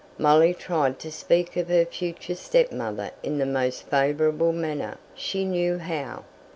Molly tried to speak of her future stepmother in the most favourable manner she knew how.